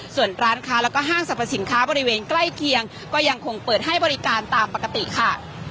ส่วนร้านค้าแล้วก็ห้างสรรพสินค้าบริเวณใกล้เคียงก็ยังคงเปิดให้บริการตามปกติค่ะ